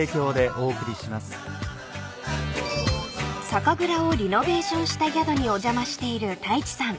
［酒蔵をリノベーションした宿にお邪魔している太一さん］